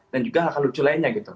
dan juga hal hal lucu lainnya gitu